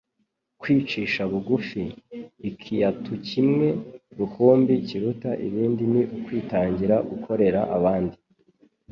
Kwicisha bugufi. Ikiatu kimwe rukumbi kiruta ibindi ni ukwitangira gukorera abandi.